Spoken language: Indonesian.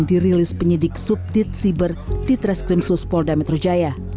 dirilis penyidik subdit siber di treskrim suspolda metro jaya